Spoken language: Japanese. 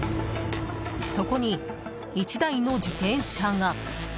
そこに１台の自転車が。